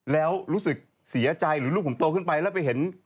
แล้วรู้สึกเสียใจหรือลูกผมโตขึ้นไปแล้วไปเห็น